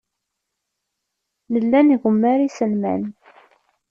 Nella ngemmer iselman.